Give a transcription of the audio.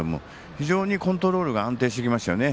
非常にコントロールが安定してきましたよね。